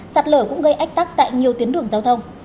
sạt lở cũng gây ách tắc tại nhiều tuyến đường giao thông